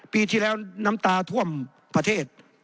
ปีที่แล้วน้ำตาท่วมประเทศ